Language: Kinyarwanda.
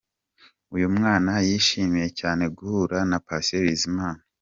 Uyu mwana yishimiye cyane guhura na Patient Bizimana.